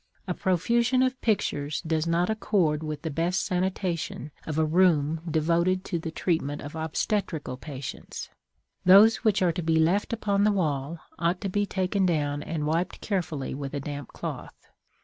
A profusion of pictures does not accord with the best sanitation of a room devoted to the treatment of obstetrical patients; those which are to be left upon the wall ought to be taken down and wiped carefully with a damp cloth.